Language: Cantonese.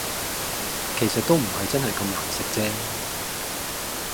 其實都唔係真係咁難食啫